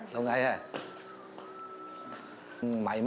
lâu ngày hả